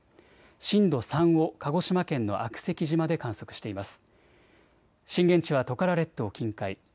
震度３を鹿児島県の悪石島で観測しています。